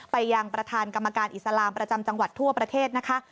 ยังประธานกรรมการอิสลามประจำจังหวัดทั่วประเทศนะคะ